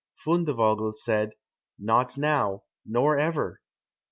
Fundevogel said, "Neither now, nor ever."